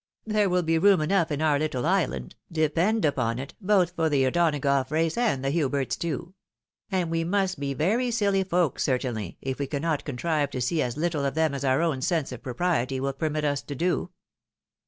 " There will be room enough in our little island, depend upon it, both for the O'Donagough race and the Huberts too ; and we must be very silly folks, certainly, if we cannot contrive to see as little of them as our own sense of propriety will permit us to do."